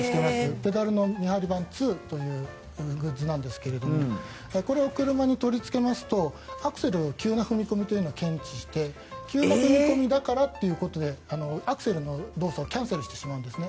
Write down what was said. ペダルの見張り番２というグッズなんですけどこれを車に取りつけますとアクセル急な踏み込みを検知して急な踏み込みだからということでアクセルの動作をキャンセルしてしまうんですね。